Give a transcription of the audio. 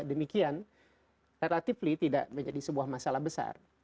demikian relatif tidak menjadi sebuah masalah besar